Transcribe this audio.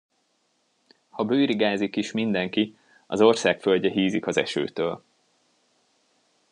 Ha bőrig ázik is mindenki, az ország földje hízik az esőtől.